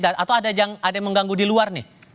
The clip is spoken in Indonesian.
atau ada yang mengganggu di luar nih